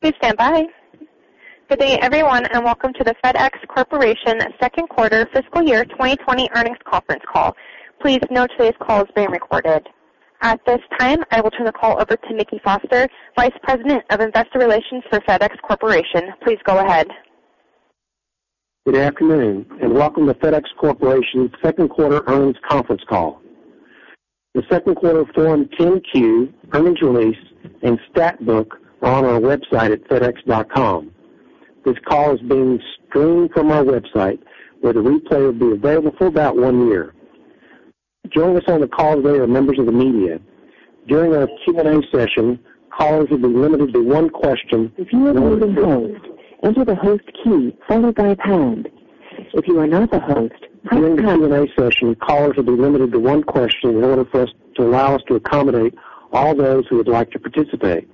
Please stand by. Good day, everyone, welcome to the FedEx Corporation second quarter fiscal year 2020 earnings conference call. Please note today's call is being recorded. At this time, I will turn the call over to Mickey Foster, Vice President of Investor Relations for FedEx Corporation. Please go ahead. Good afternoon. Welcome to FedEx Corporation second quarter earnings conference call. The second quarter Form 10-Q, earnings release, and Stat Book are on our website at fedex.com. This call is being streamed from our website, where the replay will be available for about one year. Joining us on the call today are members of the media. During our Q&A session, callers will be limited to one question. If you are the host, enter the host key followed by pound. If you are not the host, press pound. During the Q&A session, callers will be limited to one question in order for us to accommodate all those who would like to participate.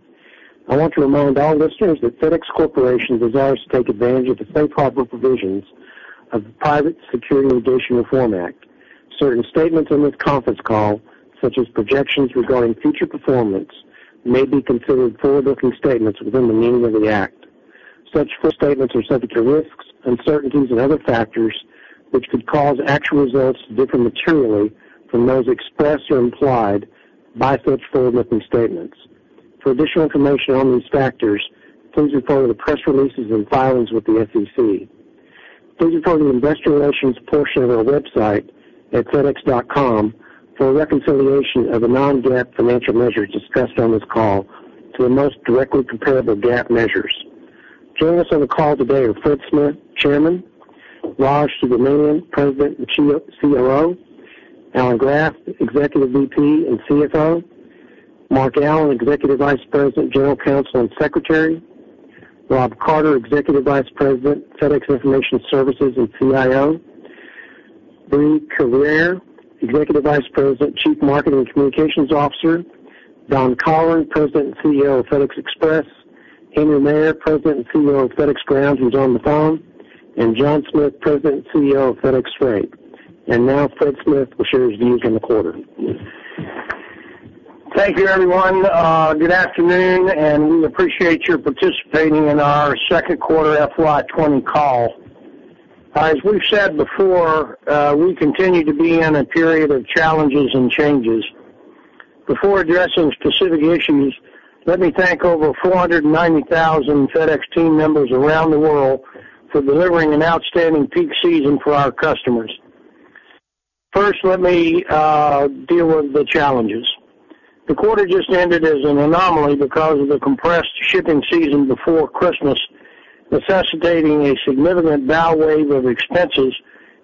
I want to remind all listeners that FedEx Corporation desires to take advantage of the safe harbor provisions of the Private Securities Litigation Reform Act. Certain statements on this conference call, such as projections regarding future performance, may be considered forward-looking statements within the meaning of the Act. Such forward statements are subject to risks, uncertainties, and other factors which could cause actual results to differ materially from those expressed or implied by such forward-looking statements. For additional information on these factors, please refer to the press releases and filings with the SEC. Please refer to the investor relations portion of our website at fedex.com for a reconciliation of the non-GAAP financial measures discussed on this call to the most directly comparable GAAP measures. Joining us on the call today are Fred Smith, Chairman, Raj Subramaniam, President and COO, Alan Graf, Executive VP and CFO, Mark Allen, Executive Vice President, General Counsel, and Secretary, Rob Carter, Executive Vice President, FedEx Information Services, and CIO, Brie Carere, Executive Vice President, Chief Marketing and Communications Officer, Don Colleran, President and CEO of FedEx Express, Henry Maier, President and CEO of FedEx Ground, who's on the phone, and John Smith, President and CEO of FedEx Freight. Now Fred Smith will share his views on the quarter. Thank you, everyone. Good afternoon. We appreciate your participating in our second quarter FY 2020 call. As we've said before, we continue to be in a period of challenges and changes. Before addressing specific issues, let me thank over 490,000 FedEx team members around the world for delivering an outstanding peak season for our customers. First, let me deal with the challenges. The quarter just ended as an anomaly because of the compressed shipping season before Christmas, necessitating a significant bow wave of expenses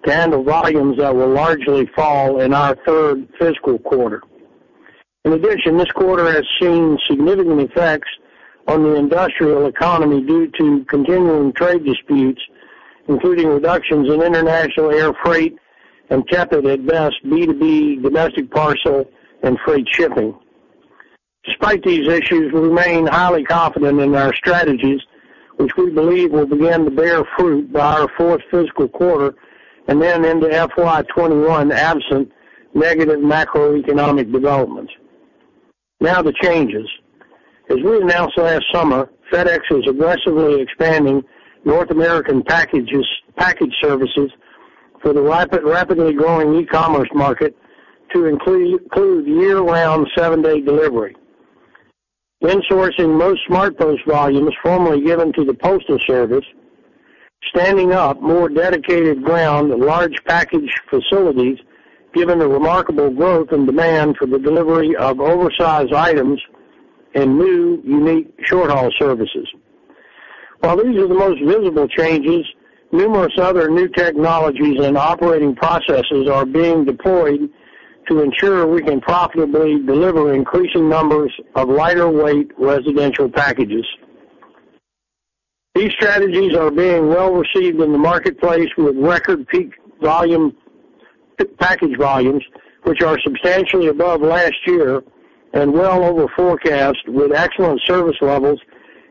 to handle volumes that will largely fall in our third fiscal quarter. In addition, this quarter has seen significant effects on the industrial economy due to continuing trade disputes, including reductions in international air freight and tepid at best B2B domestic parcel and freight shipping. Despite these issues, we remain highly confident in our strategies, which we believe will begin to bear fruit by our fourth fiscal quarter and then into FY 2021, absent negative macroeconomic developments. Now the changes. As we announced last summer, FedEx is aggressively expanding North American package services for the rapidly growing e-commerce market to include year-round seven-day delivery. Insourcing most FedEx SmartPost volumes formerly given to the United States Postal Service, standing up more dedicated ground and large package facilities, given the remarkable growth and demand for the delivery of oversized items and new unique short-haul services. While these are the most visible changes, numerous other new technologies and operating processes are being deployed to ensure we can profitably deliver increasing numbers of lighter weight residential packages. These strategies are being well received in the marketplace with record peak package volumes, which are substantially above last year and well over forecast with excellent service levels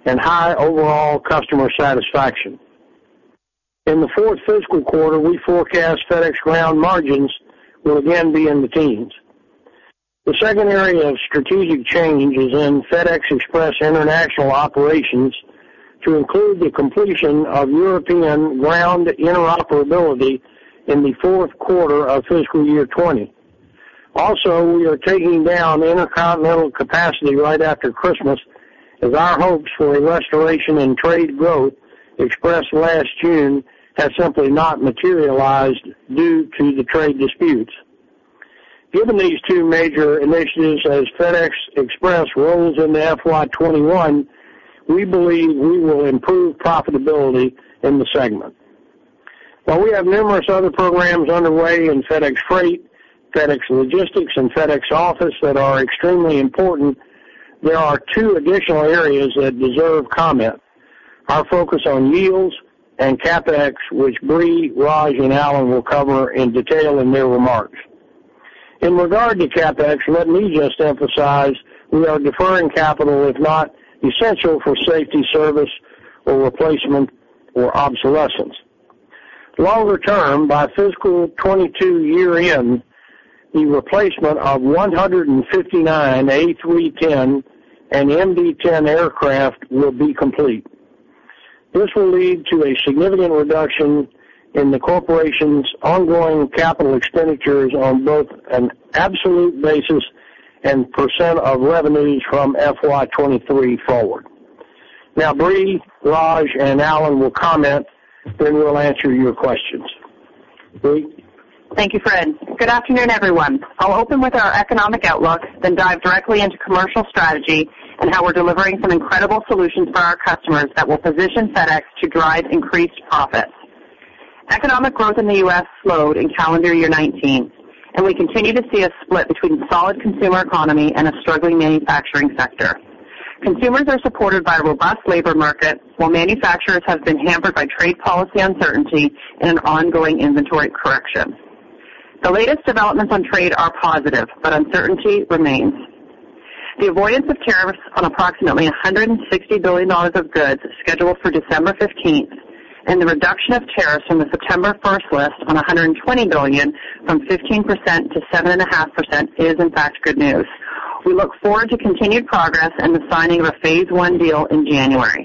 and high overall customer satisfaction. In the fourth fiscal quarter, we forecast FedEx Ground margins will again be in the teens. The second area of strategic change is in FedEx Express International Operations to include the completion of European ground interoperability in the fourth quarter of fiscal year 2020. We are taking down intercontinental capacity right after Christmas as our hopes for a restoration in trade growth expressed last June has simply not materialized due to the trade disputes. Given these two major initiatives as FedEx Express rolls into FY 2021, we believe we will improve profitability in the segment. While we have numerous other programs underway in FedEx Freight, FedEx Logistics, and FedEx Office that are extremely important, there are two additional areas that deserve comment. Our focus on yields and CapEx, which Brie, Raj, and Alan will cover in detail in their remarks. In regard to CapEx, let me just emphasize we are deferring capital if not essential for safety, service, or replacement, or obsolescence. Longer term, by fiscal 2022 year-end, the replacement of 159 A310 and MD-10 aircraft will be complete. This will lead to a significant reduction in the corporation's ongoing capital expenditures on both an absolute basis and percent of revenues from FY 2023 forward. Brie, Raj, and Alan will comment, then we will answer your questions. Brie? Thank you, Fred. Good afternoon, everyone. I'll open with our economic outlook, then dive directly into commercial strategy and how we're delivering some incredible solutions for our customers that will position FedEx to drive increased profits. Economic growth in the U.S. slowed in calendar year 2019, and we continue to see a split between solid consumer economy and a struggling manufacturing sector. Consumers are supported by a robust labor market, while manufacturers have been hampered by trade policy uncertainty and an ongoing inventory correction. The latest developments on trade are positive, but uncertainty remains. The avoidance of tariffs on approximately $160 billion of goods scheduled for December 15th and the reduction of tariffs from the September 1st list on $120 billion from 15% to 7.5% is, in fact, good news. We look forward to continued progress and the signing of a Phase One deal in January.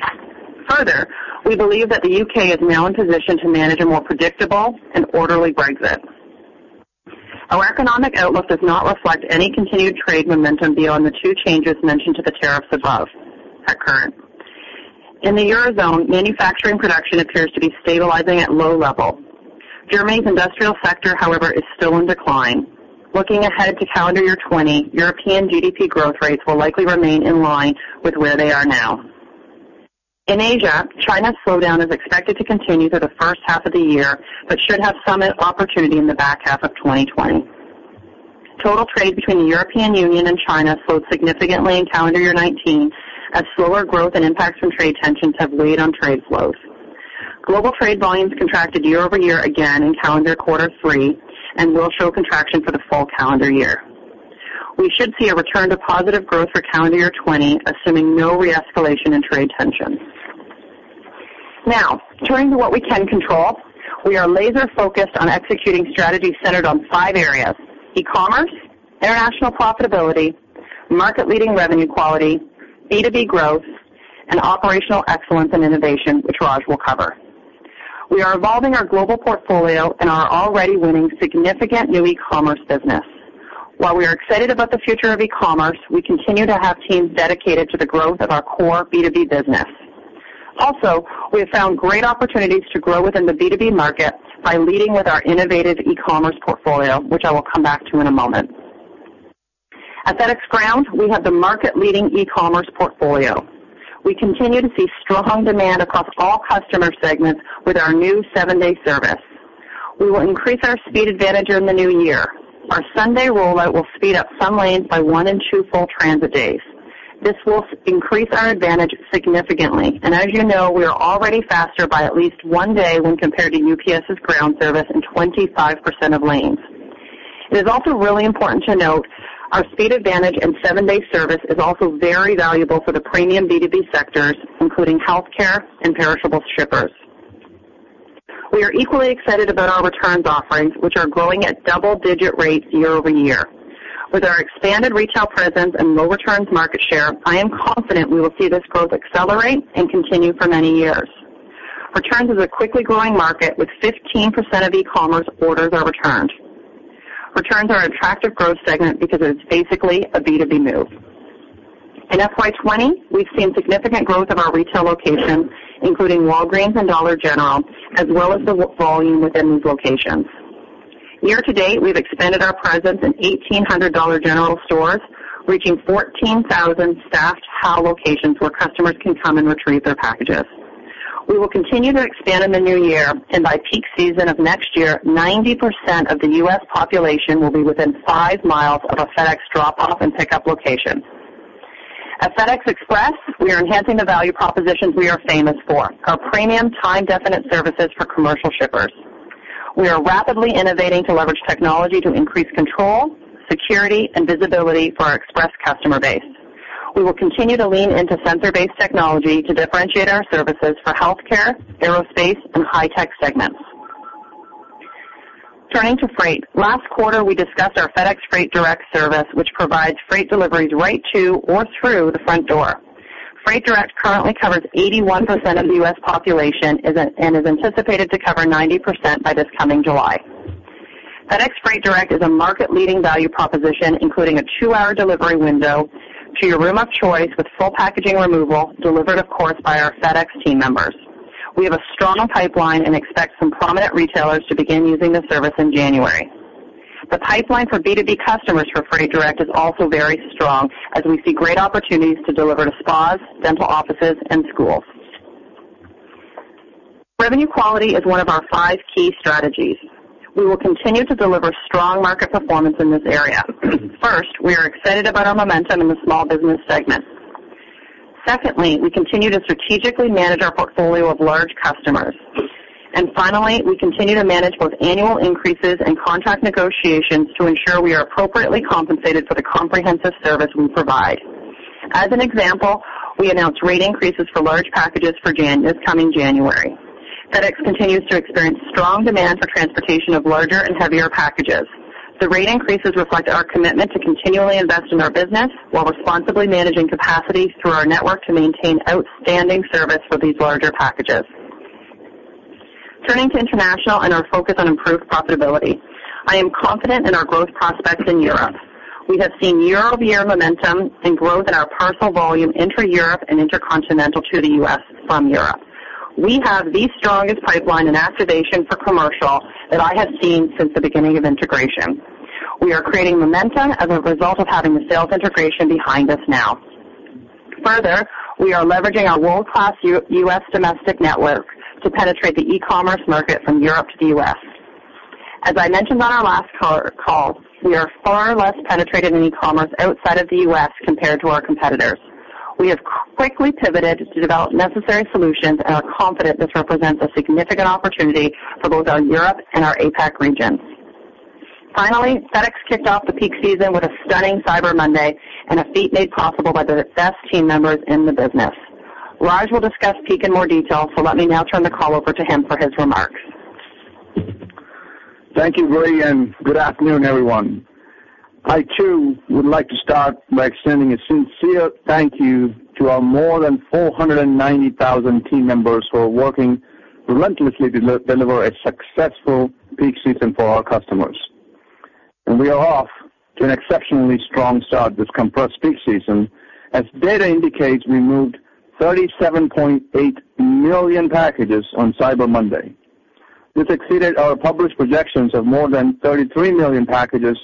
Further, we believe that the U.K. is now in position to manage a more predictable and orderly Brexit. Our economic outlook does not reflect any continued trade momentum beyond the two changes mentioned to the tariffs above at current. In the Eurozone, manufacturing production appears to be stabilizing at low level. Germany's industrial sector, however, is still in decline. Looking ahead to calendar year 2020, European GDP growth rates will likely remain in line with where they are now. In Asia, China's slowdown is expected to continue through the first half of the year, but should have some opportunity in the back half of 2020. Total trade between the European Union and China slowed significantly in calendar year 2019 as slower growth and impacts from trade tensions have weighed on trade flows. Global trade volumes contracted year-over-year again in calendar quarter 3 and will show contraction for the full calendar year. We should see a return to positive growth for calendar year 2020, assuming no re-escalation in trade tensions. Turning to what we can control. We are laser-focused on executing strategies centered on five areas: e-commerce, international profitability, market-leading revenue quality, B2B growth, and operational excellence and innovation, which Raj will cover. We are evolving our global portfolio and are already winning significant new e-commerce business. While we are excited about the future of e-commerce, we continue to have teams dedicated to the growth of our core B2B business. We have found great opportunities to grow within the B2B market by leading with our innovative e-commerce portfolio, which I will come back to in a moment. At FedEx Ground, we have the market-leading e-commerce portfolio. We continue to see strong demand across all customer segments with our new seven-day service. We will increase our speed advantage in the new year. Our Sunday rollout will speed up some lanes by one and two full transit days. This will increase our advantage significantly. As you know, we are already faster by at least one day when compared to UPS's Ground service in 25% of lanes. It is also really important to note our speed advantage and seven-day service is also very valuable for the premium B2B sectors, including healthcare and perishable shippers. We are equally excited about our returns offerings, which are growing at double-digit rates year-over-year. With our expanded retail presence and low returns market share, I am confident we will see this growth accelerate and continue for many years. Returns is a quickly growing market with 15% of e-commerce orders are returned. Returns are an attractive growth segment because it's basically a B2B move. In FY 2020, we've seen significant growth of our retail locations, including Walgreens and Dollar General, as well as the volume within these locations. Year to date, we've expanded our presence in 1,800 Dollar General stores, reaching 14,000 staffed hold locations where customers can come and retrieve their packages. We will continue to expand in the new year, and by peak season of next year, 90% of the U.S. population will be within 5 mi of a FedEx drop-off and pickup location. At FedEx Express, we are enhancing the value propositions we are famous for, our premium time-definite services for commercial shippers. We are rapidly innovating to leverage technology to increase control, security, and visibility for our Express customer base. We will continue to lean into sensor-based technology to differentiate our services for healthcare, aerospace, and high-tech segments. Turning to Freight. Last quarter, we discussed our FedEx Freight Direct service, which provides freight deliveries right to or through the front door. Freight Direct currently covers 81% of the U.S. population and is anticipated to cover 90% by this coming July. FedEx Freight Direct is a market-leading value proposition, including a two-hour delivery window to your room of choice with full packaging removal, delivered, of course, by our FedEx team members. We have a strong pipeline and expect some prominent retailers to begin using this service in January. The pipeline for B2B customers for Freight Direct is also very strong as we see great opportunities to deliver to spas, dental offices, and schools. Revenue quality is one of our five key strategies. We will continue to deliver strong market performance in this area. First, we are excited about our momentum in the small business segment. Secondly, we continue to strategically manage our portfolio of large customers. Finally, we continue to manage both annual increases and contract negotiations to ensure we are appropriately compensated for the comprehensive service we provide. As an example, we announced rate increases for large packages for this coming January. FedEx continues to experience strong demand for transportation of larger and heavier packages. The rate increases reflect our commitment to continually invest in our business while responsibly managing capacity through our network to maintain outstanding service for these larger packages. Turning to international and our focus on improved profitability. I am confident in our growth prospects in Europe. We have seen year-over-year momentum and growth in our parcel volume intra-Europe and intercontinental to the U.S. from Europe. We have the strongest pipeline and activation for commercial that I have seen since the beginning of integration. We are creating momentum as a result of having the sales integration behind us now. We are leveraging our world-class U.S. domestic network to penetrate the e-commerce market from Europe to the U.S. As I mentioned on our last call, we are far less penetrated in e-commerce outside of the U.S. compared to our competitors. We have quickly pivoted to develop necessary solutions and are confident this represents a significant opportunity for both our Europe and our APAC regions. FedEx kicked off the peak season with a stunning Cyber Monday and a feat made possible by the best team members in the business. Raj will discuss peak in more detail, let me now turn the call over to him for his remarks. Thank you, Brie, good afternoon, everyone. I, too, would like to start by extending a sincere thank you to our more than 490,000 team members who are working relentlessly to deliver a successful peak season for our customers. We are off to an exceptionally strong start this compressed peak season, as data indicates we moved 37.8 million packages on Cyber Monday. This exceeded our published projections of more than 33 million packages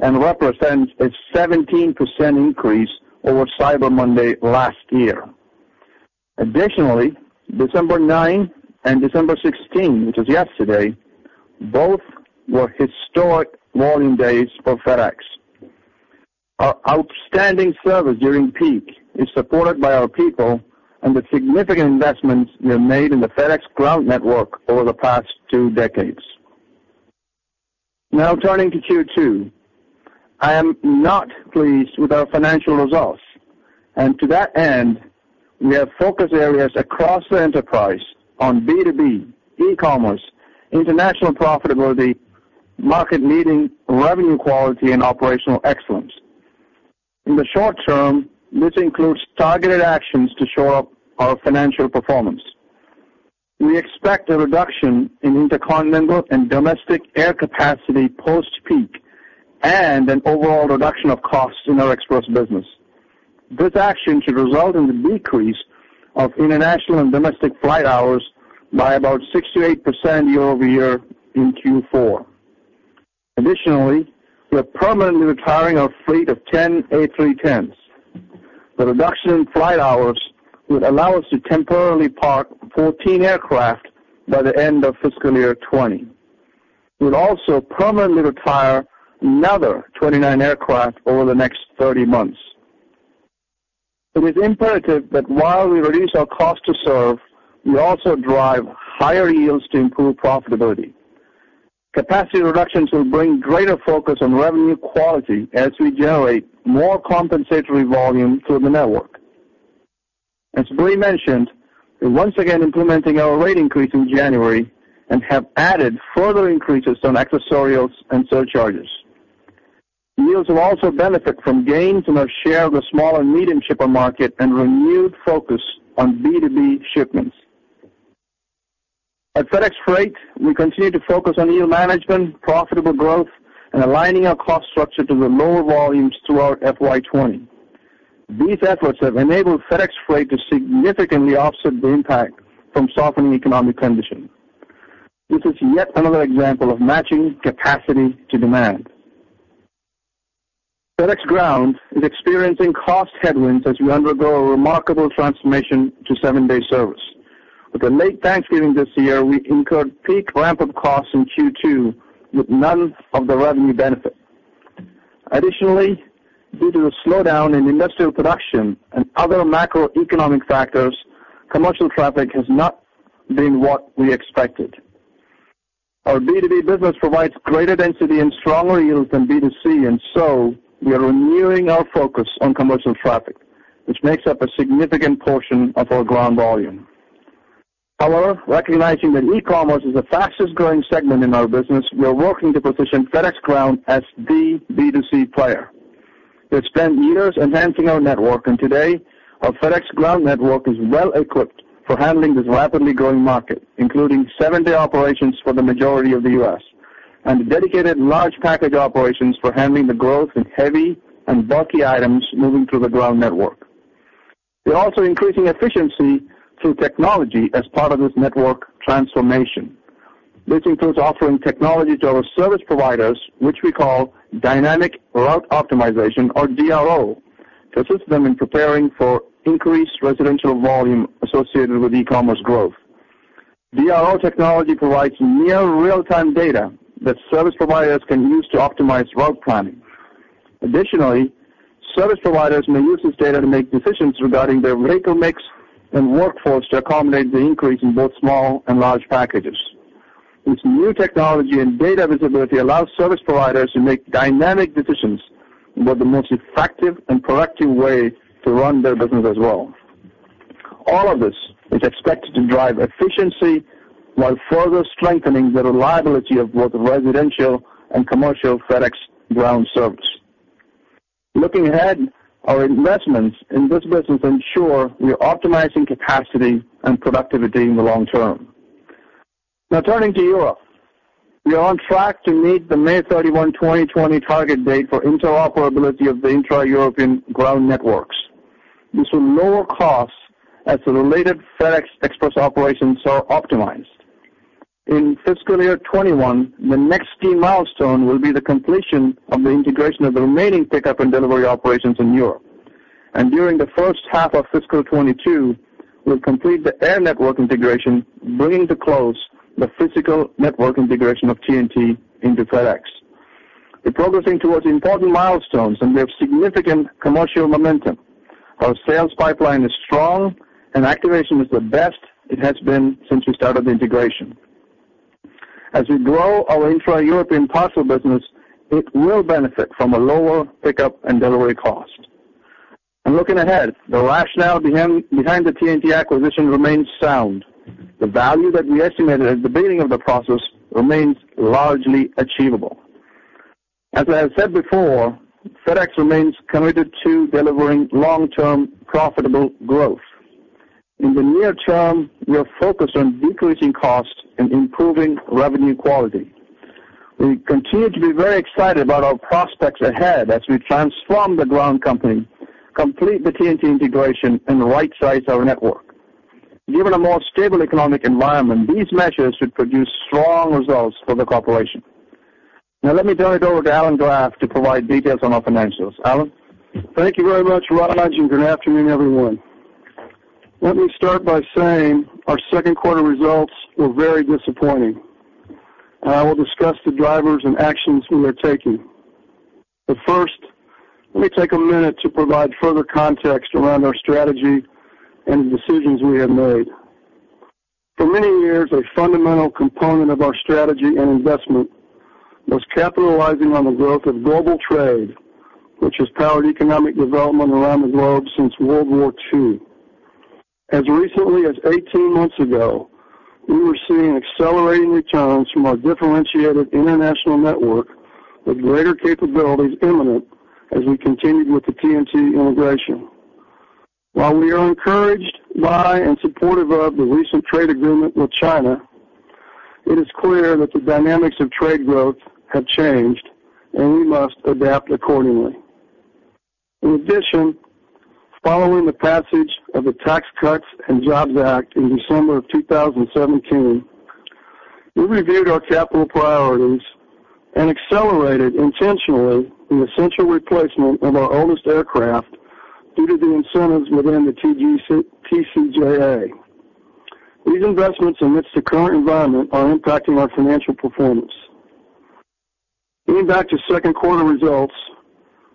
and represents a 17% increase over Cyber Monday last year. Additionally, December 9th and December 16th, which was yesterday, both were historic volume days for FedEx. Our outstanding service during peak is supported by our people and the significant investments we have made in the FedEx Ground network over the past two decades. Turning to Q2. I am not pleased with our financial results. To that end, we have focus areas across the enterprise on B2B, e-commerce, international profitability, market-leading revenue quality, and operational excellence. In the short term, this includes targeted actions to shore up our financial performance. We expect a reduction in intercontinental and domestic air capacity post-peak and an overall reduction of costs in our Express business. This action should result in the decrease of international and domestic flight hours by about 6%-8% year-over-year in Q4. Additionally, we are permanently retiring our fleet of 10 A310s. The reduction in flight hours would allow us to temporarily park 14 aircraft by the end of fiscal year 2020. We'll also permanently retire another 29 aircraft over the next 30 months. It is imperative that while we reduce our cost to serve, we also drive higher yields to improve profitability. Capacity reductions will bring greater focus on revenue quality as we generate more compensatory volume through the network. As Brie mentioned, we're once again implementing our rate increase in January and have added further increases on accessorials and surcharges. Yields will also benefit from gains in our share of the small and medium shipper market and renewed focus on B2B shipments. At FedEx Freight, we continue to focus on yield management, profitable growth, and aligning our cost structure to the lower volumes throughout FY 2020. These efforts have enabled FedEx Freight to significantly offset the impact from softening economic conditions. This is yet another example of matching capacity to demand. FedEx Ground is experiencing cost headwinds as we undergo a remarkable transformation to seven-day service. With a late Thanksgiving this year, we incurred peak ramp-up costs in Q2 with none of the revenue benefit. Additionally, due to a slowdown in industrial production and other macroeconomic factors, commercial traffic has not been what we expected. Our B2B business provides greater density and stronger yields than B2C, and so we are renewing our focus on commercial traffic, which makes up a significant portion of our ground volume. However, recognizing that e-commerce is the fastest-growing segment in our business, we're working to position FedEx Ground as the B2C player. We've spent years enhancing our network, and today, our FedEx Ground network is well-equipped for handling this rapidly growing market, including seven-day operations for the majority of the U.S. and dedicated large package operations for handling the growth in heavy and bulky items moving through the ground network. We're also increasing efficiency through technology as part of this network transformation. This includes offering technology to our service providers, which we call Dynamic Route Optimization or DRO, to assist them in preparing for increased residential volume associated with e-commerce growth. DRO technology provides near real-time data that service providers can use to optimize route planning. Additionally, service providers may use this data to make decisions regarding their vehicle mix and workforce to accommodate the increase in both small and large packages. This new technology and data visibility allows service providers to make dynamic decisions about the most effective and proactive way to run their business as well. All of this is expected to drive efficiency while further strengthening the reliability of both residential and commercial FedEx Ground service. Looking ahead, our investments in this business ensure we are optimizing capacity and productivity in the long term. Now turning to Europe. We are on track to meet the May 31, 2020, target date for interoperability of the intra-European ground networks. This will lower costs as the related FedEx Express operations are optimized. In fiscal year 2021, the next key milestone will be the completion of the integration of the remaining pickup and delivery operations in Europe. During the first half of fiscal 2022, we'll complete the air network integration, bringing to close the physical network integration of TNT into FedEx. We're progressing towards important milestones, and we have significant commercial momentum. Our sales pipeline is strong, and activation is the best it has been since we started the integration. As we grow our intra-European parcel business, it will benefit from a lower pickup and delivery cost. Looking ahead, the rationale behind the TNT acquisition remains sound. The value that we estimated at the beginning of the process remains largely achievable. As I have said before, FedEx remains committed to delivering long-term profitable growth. In the near term, we are focused on decreasing costs and improving revenue quality. We continue to be very excited about our prospects ahead as we transform the Ground company, complete the TNT integration, and right-size our network. Given a more stable economic environment, these measures should produce strong results for the corporation. Now let me turn it over to Alan Graf to provide details on our financials. Alan? Thank you very much, Raj, and good afternoon, everyone. Let me start by saying our second quarter results were very disappointing. I will discuss the drivers and actions we are taking. First, let me take a minute to provide further context around our strategy and the decisions we have made. For many years, a fundamental component of our strategy and investment was capitalizing on the growth of global trade, which has powered economic development around the globe since World War II. As recently as 18 months ago, we were seeing accelerating returns from our differentiated international network with greater capabilities imminent as we continued with the TNT integration. While we are encouraged by and supportive of the recent trade agreement with China, it is clear that the dynamics of trade growth have changed, and we must adapt accordingly. In addition, following the passage of the Tax Cuts and Jobs Act in December of 2017, we reviewed our capital priorities and accelerated intentionally the essential replacement of our oldest aircraft due to the incentives within the TCJA. These investments amidst the current environment are impacting our financial performance. Getting back to second quarter results,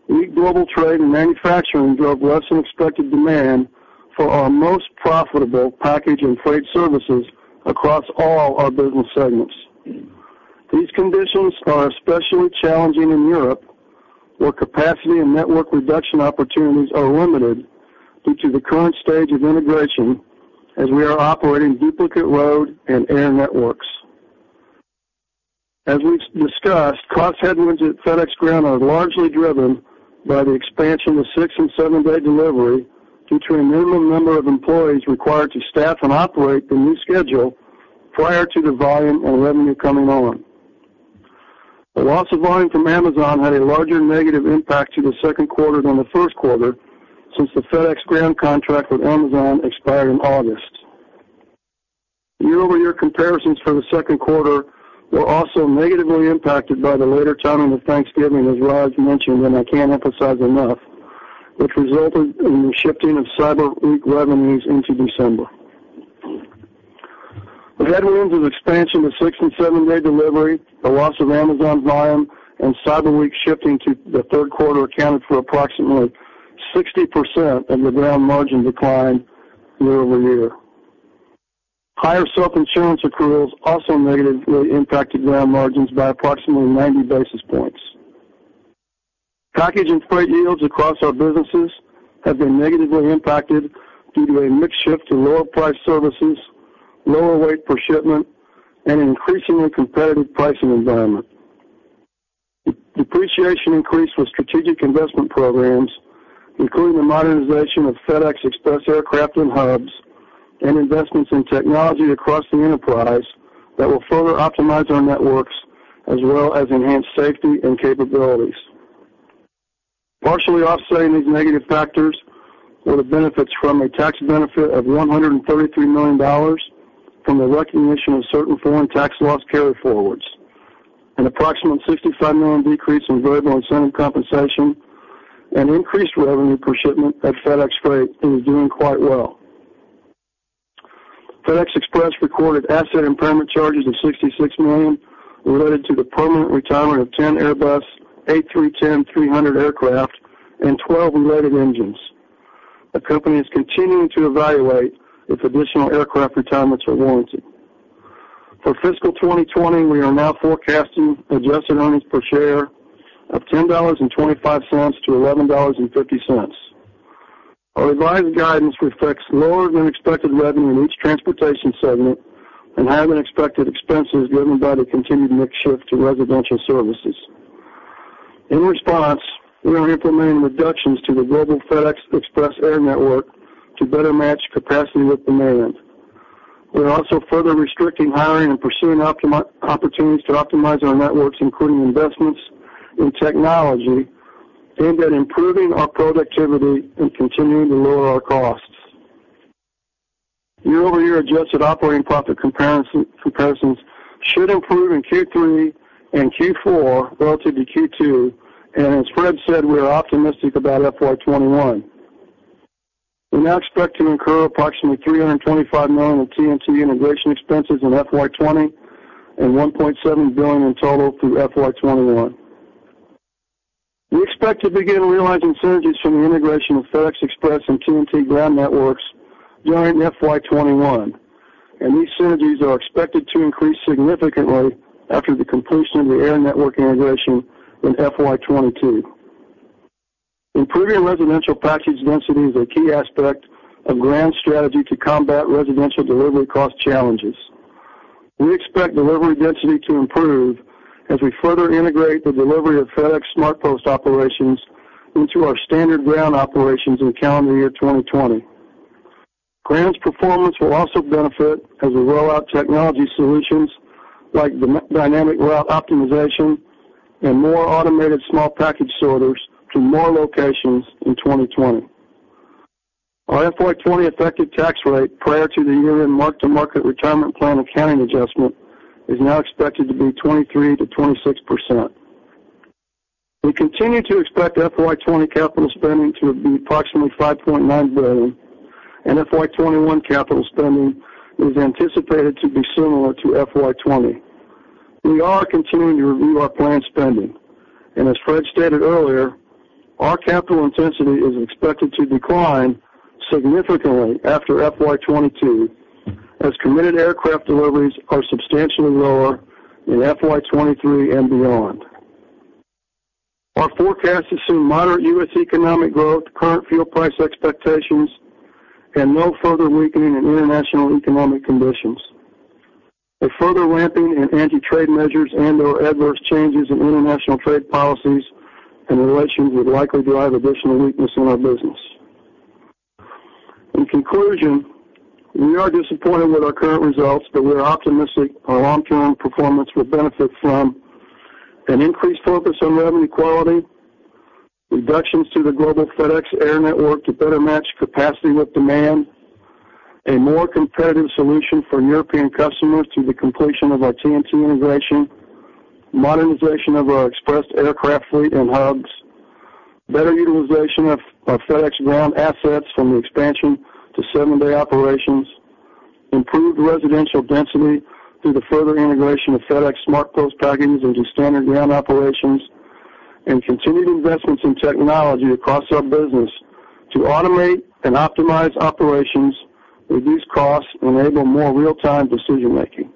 weak global trade and manufacturing drove less than expected demand for our most profitable package and freight services across all our business segments. These conditions are especially challenging in Europe, where capacity and network reduction opportunities are limited due to the current stage of integration, as we are operating duplicate road and air networks. As we've discussed, cost headwinds at FedEx Ground are largely driven by the expansion of six- and seven-day delivery due to an minimum number of employees required to staff and operate the new schedule prior to the volume and revenue coming on. The loss of volume from Amazon had a larger negative impact to the second quarter than the first quarter since the FedEx Ground contract with Amazon expired in August. Year-over-year comparisons for the second quarter were also negatively impacted by the later timing of Thanksgiving, as Raj mentioned, and I can't emphasize enough, which resulted in the shifting of Cyber Week revenues into December. The headwinds of expansion of six- and seven-day delivery, the loss of Amazon volume, and Cyber Week shifting to the third quarter accounted for approximately 60% of the Ground margin decline year-over-year. Higher self-insurance accruals also negatively impacted FedEx Ground margins by approximately 90 basis points. Package and freight yields across our businesses have been negatively impacted due to a mix shift to lower-priced services, lower weight per shipment, and an increasingly competitive pricing environment. Depreciation increased with strategic investment programs, including the modernization of FedEx Express aircraft and hubs and investments in technology across the enterprise that will further optimize our networks as well as enhance safety and capabilities. Partially offsetting these negative factors were the benefits from a tax benefit of $133 million from the recognition of certain foreign tax loss carryforwards. An approximate $65 million decrease in variable incentive compensation and increased revenue per shipment at FedEx Freight is doing quite well. FedEx Express recorded asset impairment charges of $66 million related to the permanent retirement of 10 Airbus A310-300 aircraft and 12 related engines. The company is continuing to evaluate if additional aircraft retirements are warranted. For fiscal 2020, we are now forecasting adjusted earnings per share of $10.25-$11.50. Our revised guidance reflects lower than expected revenue in each transportation segment and higher than expected expenses driven by the continued mix shift to residential services. In response, we are implementing reductions to the global FedEx Express air network to better match capacity with demand. We are also further restricting hiring and pursuing opportunities to optimize our networks, including investments in technology aimed at improving our productivity and continuing to lower our costs. Year-over-year adjusted operating profit comparisons should improve in Q3 and Q4 relative to Q2. As Fred said, we are optimistic about FY 2021. We now expect to incur approximately $325 million in TNT integration expenses in FY 2020 and $1.7 billion in total through FY 2021. We expect to begin realizing synergies from the integration of FedEx Express and TNT Express ground networks during FY 2021, and these synergies are expected to increase significantly after the completion of the air network integration in FY 2022. Improving residential package density is a key aspect of FedEx Ground's strategy to combat residential delivery cost challenges. We expect delivery density to improve as we further integrate the delivery of FedEx SmartPost operations into our standard FedEx Ground operations in calendar year 2020. FedEx Ground's performance will also benefit as we roll out technology solutions like Dynamic Route Optimization and more automated small package sorters to more locations in 2020. Our FY 2020 effective tax rate, prior to the year-end mark-to-market retirement plan accounting adjustment, is now expected to be 23%-26%. We continue to expect FY 2020 capital spending to be approximately $5.9 billion, and FY 2021 capital spending is anticipated to be similar to FY 2020. We are continuing to review our planned spending. As Fred stated earlier, our capital intensity is expected to decline significantly after FY 2022, as committed aircraft deliveries are substantially lower in FY 2023 and beyond. Our forecast assumes moderate U.S. economic growth, current fuel price expectations, and no further weakening in international economic conditions. A further ramping in anti-trade measures and/or adverse changes in international trade policies and relations would likely drive additional weakness in our business. In conclusion, we are disappointed with our current results, but we are optimistic our long-term performance will benefit from an increased focus on revenue quality, reductions to the global FedEx air network to better match capacity with demand, a more competitive solution for European customers through the completion of our TNT integration, modernization of our Express aircraft fleet and hubs, better utilization of our FedEx Ground assets from the expansion to seven-day operations, improved residential density through the further integration of FedEx SmartPost packages into standard Ground operations, and continued investments in technology across our business to automate and optimize operations, reduce costs, and enable more real-time decision making.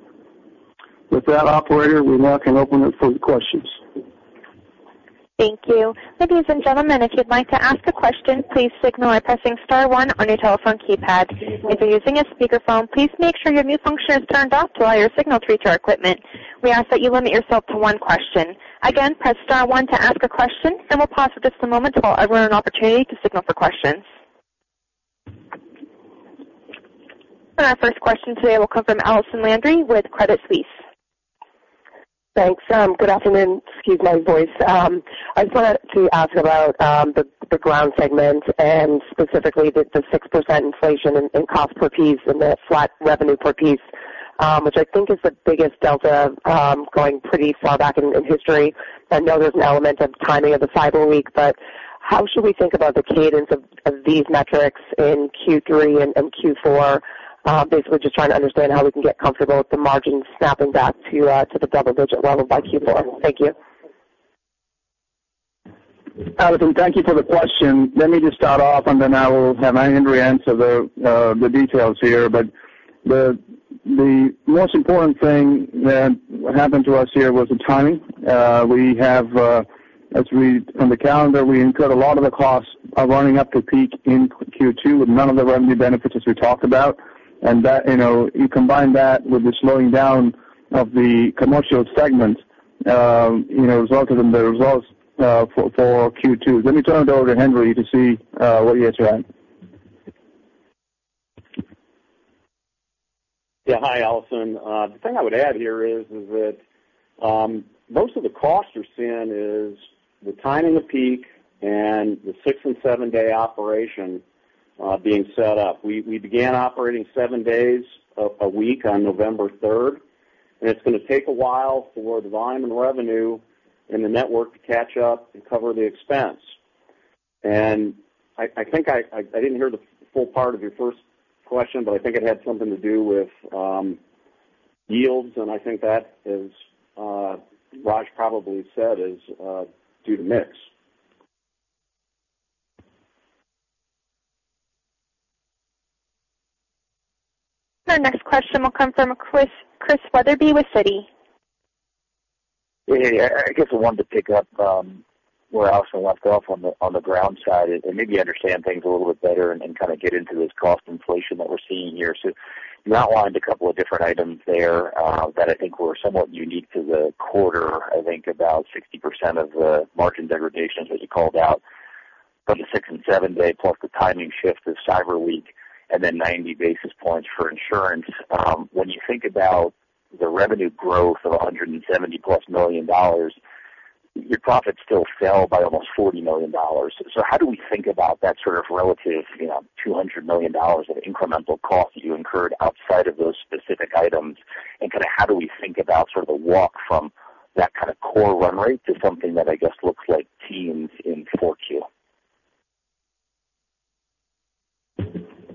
With that, operator, we now can open it for the questions. Thank you. Ladies and gentlemen, if you'd like to ask a question, please signal by pressing star one on your telephone keypad. If you're using a speakerphone, please make sure your mute function is turned off to allow your signal to reach our equipment. We ask that you limit yourself to one question. Again, press star one to ask a question, and we'll pause for just a moment to allow everyone an opportunity to signal for questions. Our first question today will come from Allison Landry with Credit Suisse. Thanks. Good afternoon. Excuse my voice. I just wanted to ask about the Ground segment and specifically the 6% inflation in cost per piece and the flat revenue per piece, which I think is the biggest delta going pretty far back in history. I know there's an element of timing of the Cyber Week, how should we think about the cadence of these metrics in Q3 and Q4? Basically, just trying to understand how we can get comfortable with the margin snapping back to the double-digit level by Q4. Thank you. Allison, thank you for the question. Let me just start off, and then I will have Henry answer the details here. The most important thing that happened to us here was the timing. On the calendar, we incurred a lot of the costs of running up to peak in Q2 with none of the revenue benefits as we talked about. You combine that with the slowing down of the commercial segment, the results for Q2. Let me turn it over to Henry to see what he has to add. Yeah. Hi, Allison. The thing I would add here is that most of the costs you're seeing is the timing of peak and the six- and seven-day operation being set up. We began operating seven days a week on November 3rd, and it's going to take a while for the volume and revenue in the network to catch up and cover the expense. I think I didn't hear the full part of your first question, but I think it had something to do with yields, and I think that, as Raj probably said, is due to mix. Our next question will come from Christian Wetherbee with Citi. I guess I wanted to pick up where Allison left off on the Ground side and maybe understand things a little bit better and kind of get into this cost inflation that we're seeing here. You outlined a couple of different items there that I think were somewhat unique to the quarter. I think about 60% of the margin degradation, as you called out, from the six- and seven-day, plus the timing shift of Cyber Week, and then 90 basis points for insurance. When you think about the revenue growth of $170+ million, your profits still fell by almost $40 million. How do we think about that sort of relative $200 million of incremental cost you incurred outside of those specific items? How do we think about sort of the walk from that kind of core run rate to something that I guess looks like teens in 4Q?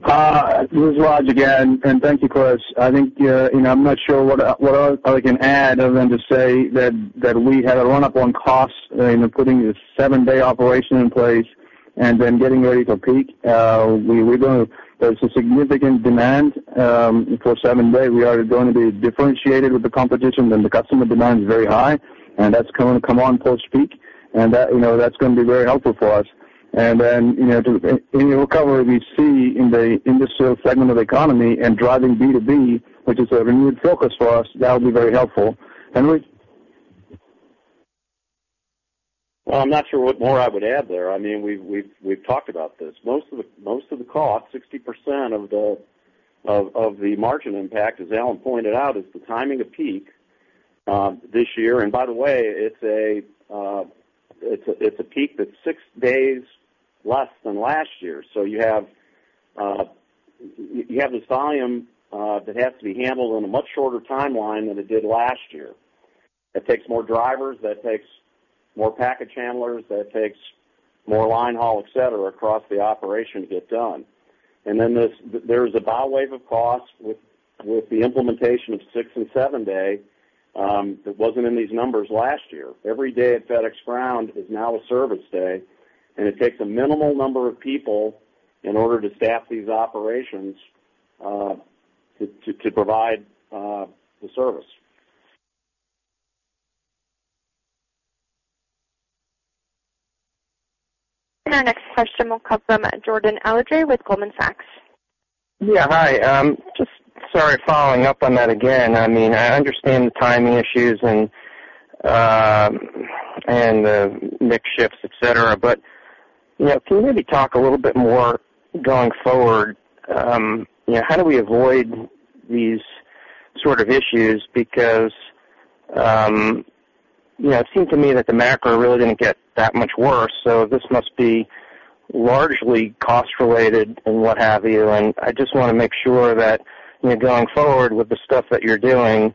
This is Raj again. Thank you, Chris. I think I'm not sure what else I can add other than to say that we had a run-up on costs in putting this seven-day operation in place and then getting ready for peak. There's a significant demand for seven-day. We are going to be differentiated with the competition, and the customer demand is very high, and that's going to come on post peak, and that's going to be very helpful for us. Any recovery we see in this segment of the economy and driving B2B, which is a renewed focus for us, that'll be very helpful. Well, I'm not sure what more I would add there. We've talked about this. Most of the cost, 60% of the margin impact, as Alan pointed out, is the timing of peak this year. By the way, it's a peak that's six days less than last year. You have this volume that has to be handled on a much shorter timeline than it did last year. That takes more drivers, that takes more package handlers, that takes more line haul, et cetera, across the operation to get done. Then there's a bow wave of cost with the implementation of six- and seven-day that wasn't in these numbers last year. Every day at FedEx Ground is now a service day, and it takes a minimal number of people in order to staff these operations to provide the service. Our next question will come from Jordan Alliger with Goldman Sachs. Yeah. Hi. Just sorry, following up on that again. I understand the timing issues and the mix shifts, et cetera. Can you maybe talk a little bit more going forward? How do we avoid these sort of issues? It seemed to me that the macro really didn't get that much worse. This must be largely cost related and what have you. I just want to make sure that going forward with the stuff that you're doing,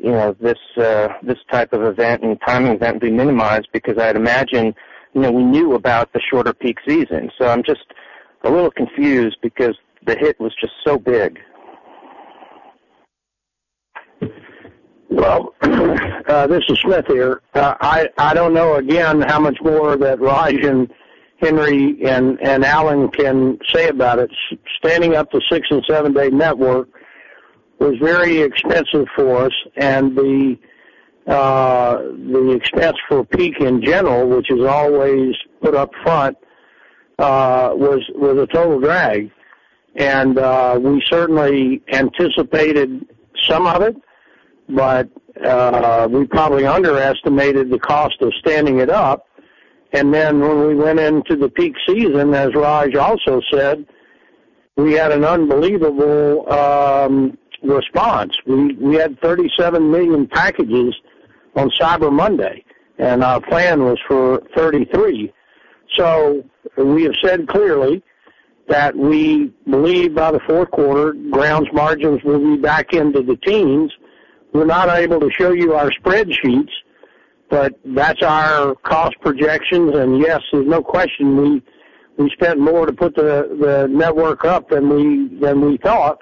this type of event and timing event be minimized. I'd imagine we knew about the shorter peak season. I'm just a little confused. The hit was just so big. Well, this is Fred Smith here. I don't know, again, how much more that Raj and Henry and Alan can say about it. Standing up the six- and seven-day network was very expensive for us, and the expense for peak in general, which is always put up front, was a total drag. We certainly anticipated some of it, but we probably underestimated the cost of standing it up. When we went into the peak season, as Raj also said, we had an unbelievable response. We had 37 million packages on Cyber Monday, and our plan was for 33. We have said clearly that we believe by the fourth quarter, FedEx Ground margins will be back into the teens. We're not able to show you our spreadsheets, but that's our cost projections. Yes, there's no question we spent more to put the Ground network up than we thought,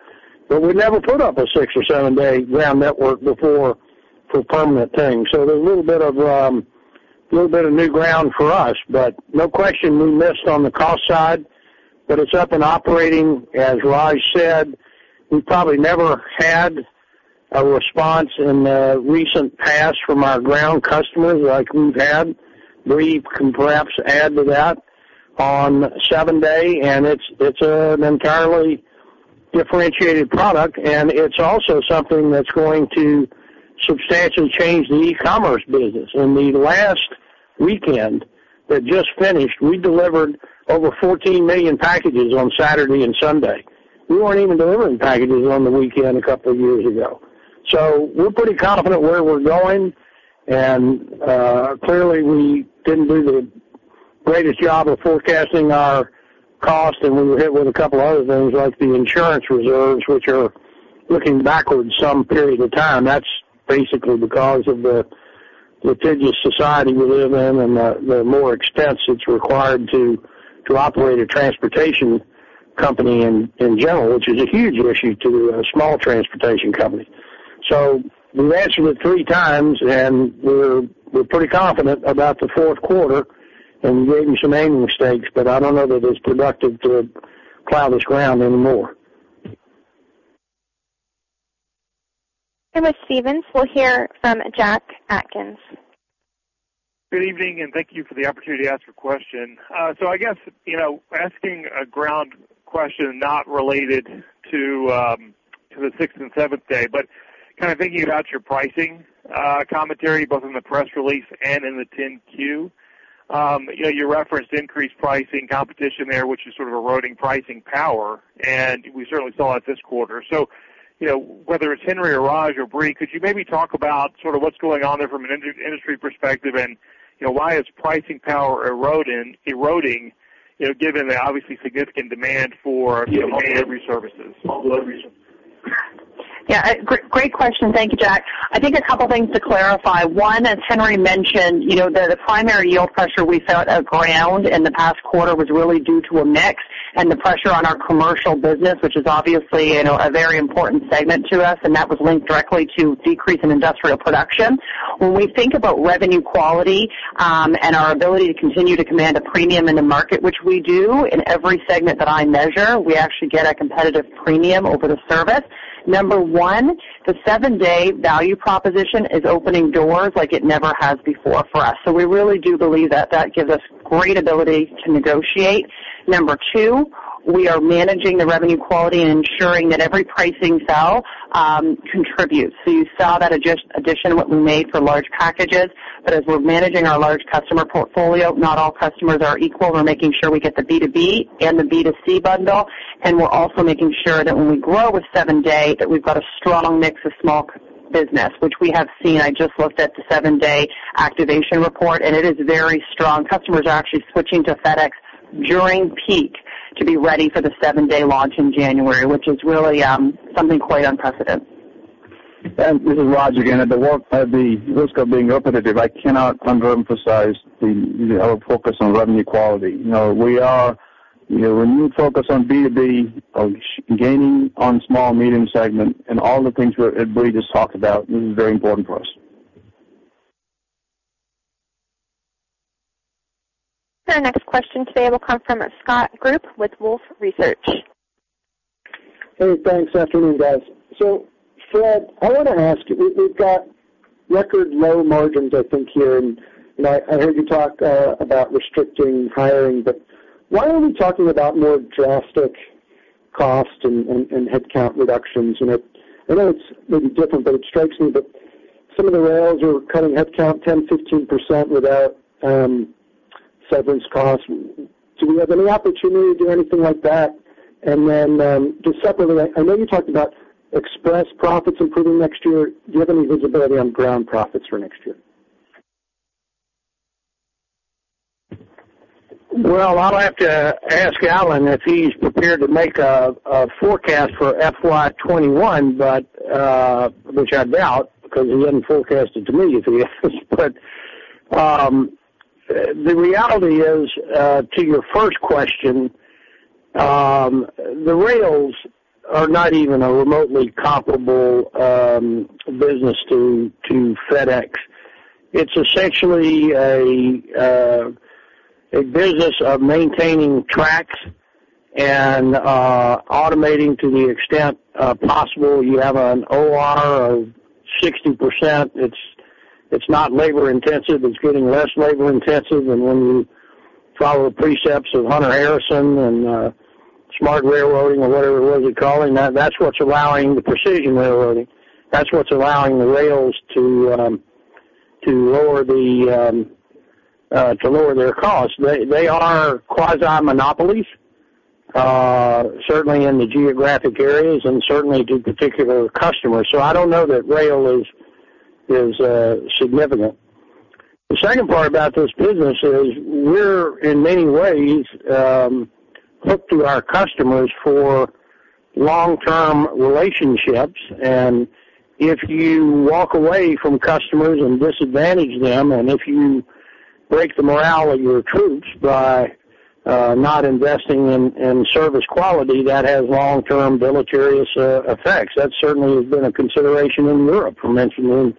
but we never put up a six or seven-day Ground network before for a permanent thing. There's a little bit of new ground for us, but no question we missed on the cost side. It's up and operating. As Raj said, we probably never had a response in the recent past from our Ground customers like we've had. Brie can perhaps add to that on seven-day, and it's an entirely differentiated product, and it's also something that's going to substantially change the e-commerce business. In the last weekend that just finished, we delivered over 14 million packages on Saturday and Sunday. We weren't even delivering packages on the weekend a couple of years ago. We're pretty confident where we're going. Clearly we didn't do the greatest job of forecasting our cost. We were hit with a couple other things like the insurance reserves, which are looking backward some period of time. That's basically because of the litigious society we live in and the more expense that's required to operate a transportation company in general, which is a huge issue to a small transportation company. We answered it three times. We're pretty confident about the fourth quarter. We made some naming mistakes. I don't know that it's productive to plow this ground anymore. Thank you, Stephens. We'll hear from Jack Atkins. Good evening, and thank you for the opportunity to ask a question. I guess, asking a Ground question not related to the sixth and seventh day, but kind of thinking about your pricing commentary, both in the press release and in the 10-Q. You referenced increased pricing competition there, which is sort of eroding pricing power, and we certainly saw it this quarter. Whether it's Henry or Raj or Brie Carere, could you maybe talk about sort of what's going on there from an industry perspective and why is pricing power eroding, given the obviously significant demand for delivery services? Yeah. Great question. Thank you, Jack. I think a couple of things to clarify. One, as Henry mentioned, the primary yield pressure we felt at Ground in the past quarter was really due to a mix and the pressure on our commercial business, which is obviously a very important segment to us, and that was linked directly to decrease in industrial production. When we think about revenue quality, and our ability to continue to command a premium in the market, which we do in every segment that I measure, we actually get a competitive premium over the service. Number one, the seven-day value proposition is opening doors like it never has before for us. We really do believe that that gives us great ability to negotiate. Number two, we are managing the revenue quality and ensuring that every pricing sell contributes. You saw that addition what we made for large packages. As we're managing our large customer portfolio, not all customers are equal. We're making sure we get the B2B and the B2C bundle, and we're also making sure that when we grow with seven-day, that we've got a strong mix of small business. Which we have seen, I just looked at the seven-day activation report, and it is very strong. Customers are actually switching to FedEx during peak to be ready for the seven-day launch in January, which is really something quite unprecedented. This is Raj again. At the risk of being repetitive, I cannot underemphasize our focus on revenue quality. When you focus on B2B, on gaining on small, medium segment, and all the things Brie just talked about, this is very important for us. Our next question today will come from Scott Group with Wolfe Research. Hey, thanks. Afternoon, guys. Fred, I want to ask you, we've got record low margins, I think here, and I heard you talk about restricting hiring. Why aren't we talking about more drastic cost and headcount reductions? I know it's maybe different, but it strikes me that some of the rails are cutting headcount 10%-15% without severance costs. Do we have any opportunity to do anything like that? Just separately, I know you talked about Express profits improving next year. Do you have any visibility on Ground profits for next year? Well, I'll have to ask Alan if he's prepared to make a forecast for FY 2021, which I doubt because he wouldn't forecast it to me if he is. The reality is, to your first question, the rails are not even a remotely comparable business to FedEx. It's essentially a business of maintaining tracks and automating to the extent possible. You have an OR of 60%. It's not labor intensive. It's getting less labor intensive. When you follow the precepts of Hunter Harrison and smart railroading or whatever it was you're calling that's what's allowing the precision railroading. That's what's allowing the rails to lower their costs. They are quasi monopolies, certainly in the geographic areas and certainly to particular customers. I don't know that rail is significant. The second part about this business is we're in many ways hooked to our customers for long-term relationships. If you walk away from customers and disadvantage them, and if you break the morale of your troops by not investing in service quality, that has long-term deleterious effects. That certainly has been a consideration in Europe, for mentioning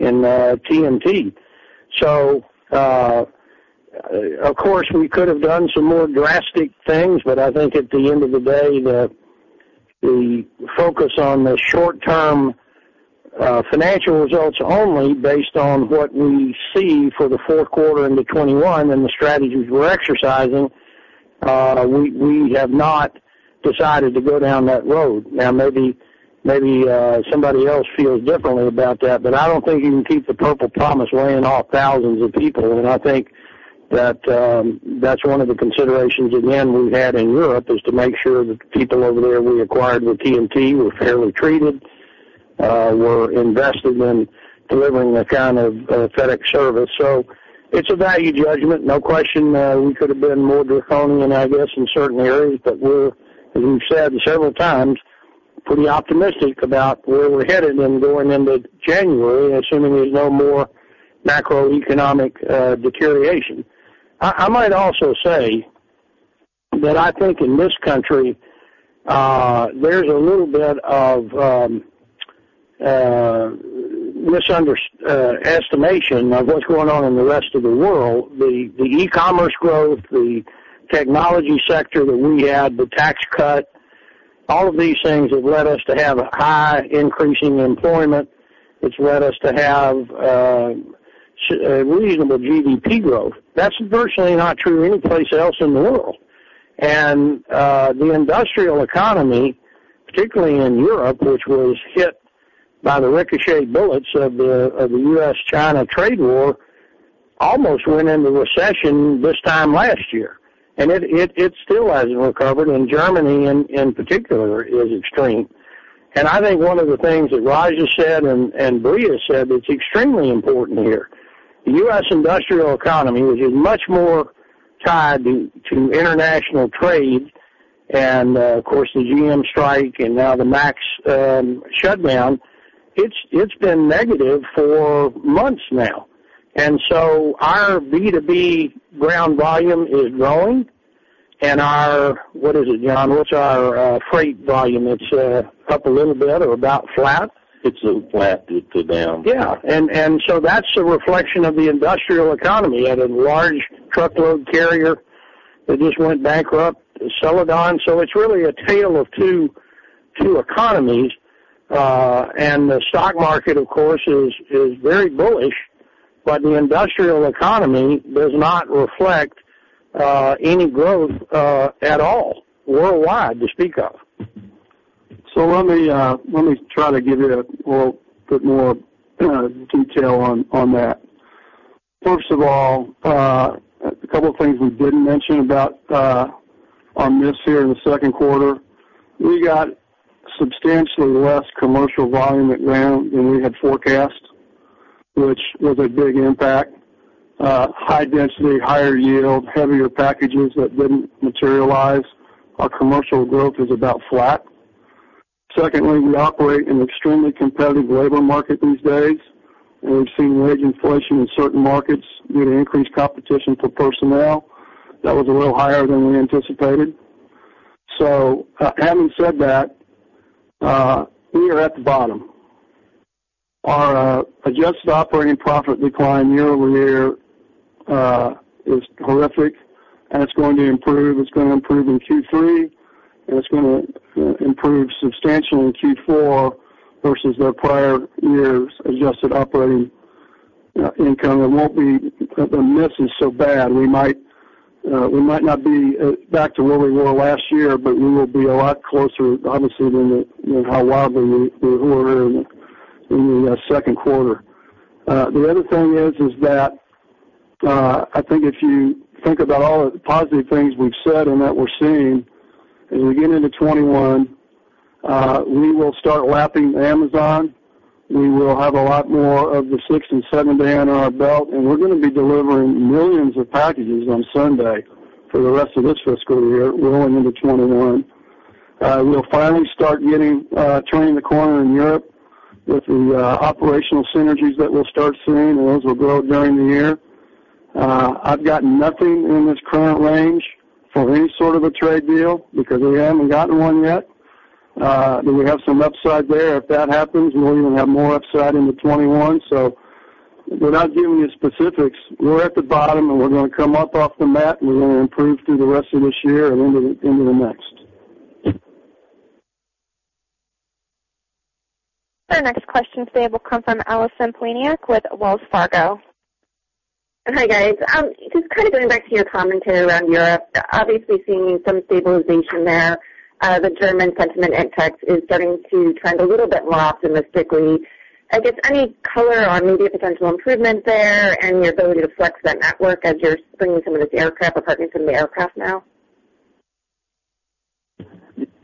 in TNT. Of course, we could have done some more drastic things, but I think at the end of the day, the focus on the short-term financial results only based on what we see for the fourth quarter into 2021 and the strategies we're exercising, we have not decided to go down that road. Now, maybe somebody else feels differently about that, but I don't think you can keep the Purple Promise laying off thousands of people. I think that's one of the considerations, again, we've had in Europe, is to make sure that the people over there we acquired with TNT were fairly treated, were invested in delivering a kind of FedEx service. It's a value judgment, no question. We could have been more draconian, I guess, in certain areas. We're, as we've said several times, pretty optimistic about where we're headed and going into January, assuming there's no more macroeconomic deterioration. I might also say that I think in this country, there's a little bit of misestimation of what's going on in the rest of the world. The e-commerce growth, the technology sector that we had, the tax cut, all of these things have led us to have a high increase in employment, which led us to have reasonable GDP growth. That's virtually not true anyplace else in the world. The industrial economy, particularly in Europe, which was hit by the ricochet bullets of the U.S.-China trade war, almost went into recession this time last year, and it still hasn't recovered, and Germany in particular is extreme. I think one of the things that Raj said and Brie said that's extremely important here. The U.S. industrial economy, which is much more tied to international trade, and of course, the GM strike and now the MAX shutdown, it's been negative for months now. Our B2B ground volume is growing. Our, what is it, John? What's our freight volume? It's up a little bit or about flat? It's a little flat. It's down. Yeah. That's a reflection of the industrial economy. We had a large truckload carrier that just went bankrupt, Celadon. It's really a tale of two economies. The stock market, of course, is very bullish, but the industrial economy does not reflect any growth at all worldwide to speak of. Let me try to give you a little bit more detail on that. First of all, a couple of things we didn't mention about on this here in the second quarter, we got substantially less commercial volume at Ground than we had forecast, which was a big impact. High density, higher yield, heavier packages that didn't materialize. Our commercial growth is about flat. Secondly, we operate in an extremely competitive labor market these days, and we've seen wage inflation in certain markets due to increased competition for personnel. That was a little higher than we anticipated. Having said that, we are at the bottom. Our adjusted operating profit decline year-over-year is horrific, and it's going to improve. It's going to improve in Q3, and it's going to improve substantially in Q4 versus the prior year's adjusted operating income. It won't be a miss so bad. We might not be back to where we were last year, but we will be a lot closer, obviously, than how wildly we were in the second quarter. The other thing is that I think if you think about all the positive things we've said and that we're seeing, as we get into 2021, we will start lapping Amazon. We will have a lot more of the sixth and seventh day under our belt, and we're going to be delivering millions of packages on Sunday for the rest of this fiscal year rolling into 2021. We'll finally start turning the corner in Europe with the operational synergies that we'll start seeing, and those will grow during the year. I've got nothing in this current range for any sort of a trade deal because we haven't gotten one yet. We have some upside there. If that happens, we'll even have more upside into 2021. Without giving you specifics, we're at the bottom, and we're going to come up off the mat, and we're going to improve through the rest of this year and into the next. Our next question today will come from Allison Poliniak with Wells Fargo. Hi, guys. Just going back to your commentary around Europe, obviously seeing some stabilization there. The German sentiment in tech is starting to trend a little bit more optimistically. I guess any color on maybe a potential improvement there and your ability to flex that network as you're bringing some of this aircraft or parking some of the aircraft now?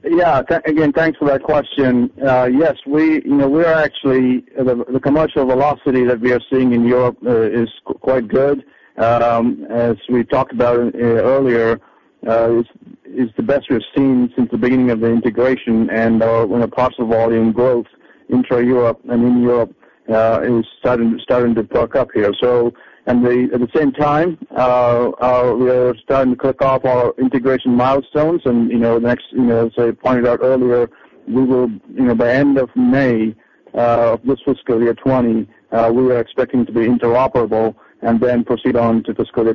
Yeah. Again, thanks for that question. The commercial velocity that we are seeing in Europe is quite good. As we talked about earlier, it's the best we've seen since the beginning of the integration and when the parcel volume growth intra-Europe and in Europe is starting to perk up here. At the same time, we're starting to click off our integration milestones. As I pointed out earlier, by end of May of this fiscal year 2020, we are expecting to be interoperable and then proceed on to fiscal year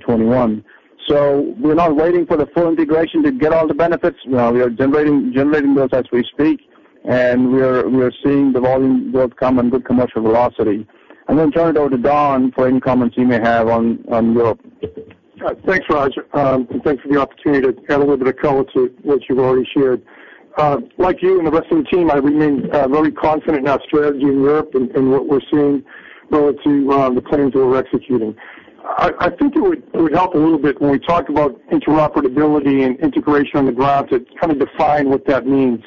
2021. We're not waiting for the full integration to get all the benefits. We are generating those as we speak, and we're seeing the volume growth come and good commercial velocity. Turn it over to Don for any comments he may have on Europe. Thanks, Raj. Thanks for the opportunity to add a little bit of color to what you've already shared. Like you and the rest of the team, I remain very confident in our strategy in Europe and what we're seeing relative to the plans that we're executing. I think it would help a little bit when we talk about interoperability and integration on the ground to define what that means.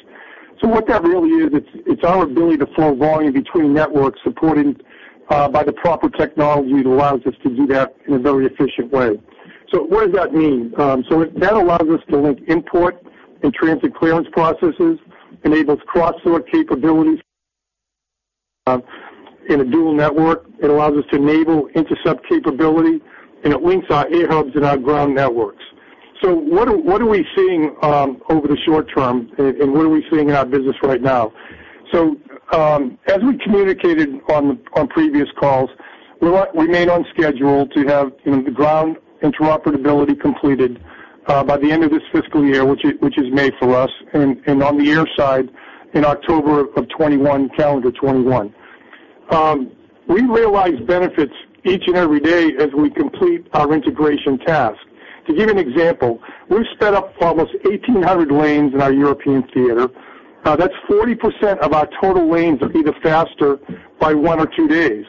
What that really is, it's our ability to flow volume between networks supported by the proper technology that allows us to do that in a very efficient way. What does that mean? That allows us to link import and transit clearance processes, enables cross-sort capabilities in a dual network. It allows us to enable intercept capability, and it links our air hubs and our ground networks. What are we seeing over the short term, and what are we seeing in our business right now? As we communicated on previous calls, we remain on schedule to have the ground interoperability completed by the end of this fiscal year, which is May for us, and on the air side in October of 2021, calendar 2021. We realize benefits each and every day as we complete our integration task. To give you an example, we've sped up almost 1,800 lanes in our European theater. That's 40% of our total lanes are either faster by one or two days.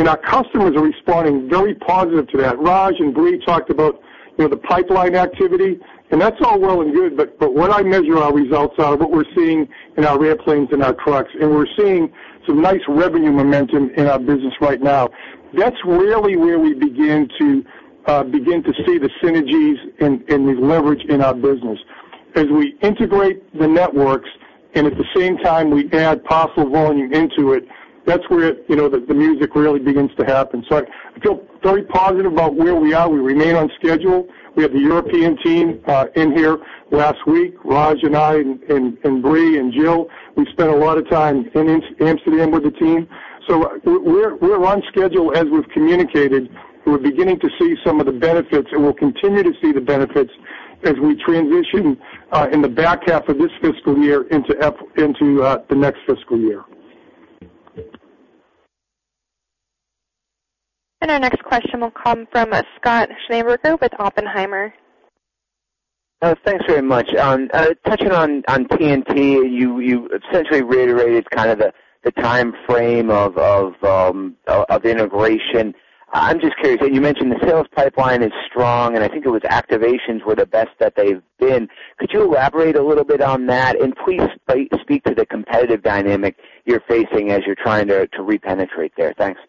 Our customers are responding very positively to that. Raj and Brie talked about the pipeline activity, and that's all well and good, but what I measure our results on are what we're seeing in our airplanes and our trucks, and we're seeing some nice revenue momentum in our business right now. That's really where we begin to see the synergies and the leverage in our business. As we integrate the networks, and at the same time, we add parcel volume into it, that's where the music really begins to happen. I feel very positive about where we are. We remain on schedule. We had the European team in here last week. Raj and I and Brie and Jill, we spent a lot of time in Amsterdam with the team. We're on schedule as we've communicated. We're beginning to see some of the benefits, and we'll continue to see the benefits as we transition in the back half of this fiscal year into the next fiscal year. Our next question will come from Scott Schneeberger with Oppenheimer. Thanks very much. Touching on TNT, you essentially reiterated the time frame of integration. I'm just curious, you mentioned the sales pipeline is strong, and I think it was activations were the best that they've been. Could you elaborate a little bit on that? Please speak to the competitive dynamic you're facing as you're trying to re-penetrate there. Thanks.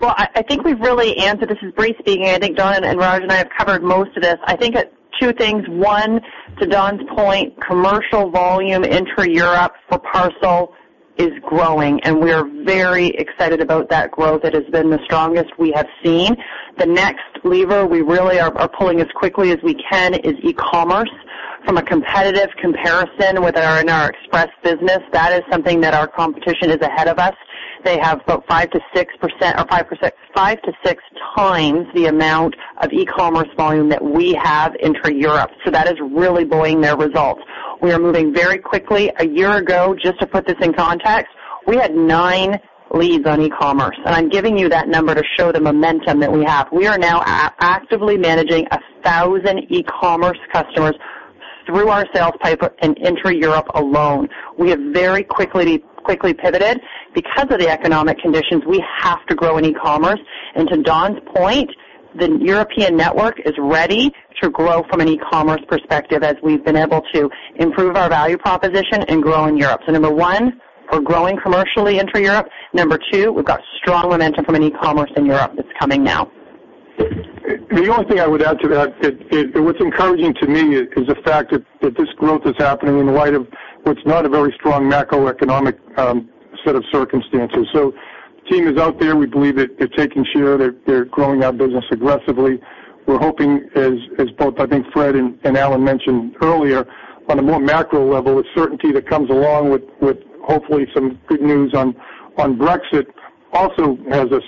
Well, I think we've really answered, this is Brie speaking. I think Don and Raj and I have covered most of this. I think two things. One, to Don's point, commercial volume intra-Europe for parcel is growing, and we are very excited about that growth. It has been the strongest we have seen. The next lever we really are pulling as quickly as we can is e-commerce. From a competitive comparison in our express business, that is something that our competition is ahead of us. They have about five to six times the amount of e-commerce volume that we have intra-Europe. That is really buoying their results. We are moving very quickly. A year ago, just to put this in context, we had nine leads on e-commerce, and I'm giving you that number to show the momentum that we have. We are now actively managing 1,000 e-commerce customers through our sales pipe and intra-Europe alone. We have very quickly pivoted. Because of the economic conditions, we have to grow in e-commerce. To Don's point, the European network is ready to grow from an e-commerce perspective as we've been able to improve our value proposition and grow in Europe. Number one, we're growing commercially intra-Europe. Number two, we've got strong momentum from an e-commerce in Europe that's coming now. The only thing I would add to that, what's encouraging to me is the fact that this growth is happening in light of what's not a very strong macroeconomic set of circumstances. The team is out there. We believe that they're taking share. They're growing our business aggressively. We're hoping, as both I think Fred and Alan mentioned earlier, on a more macro level, the certainty that comes along with hopefully some good news on Brexit also has us